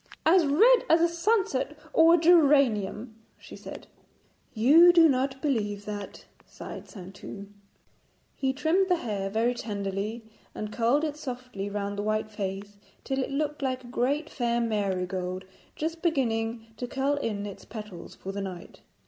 'As red as a sunset or a geranium,' she said. 'You do not believe that,' sighed Saintou. He trimmed the hair very tenderly, and curled it softly round the white face, till it looked like a great fair marigold just beginning to curl in its petals for the night.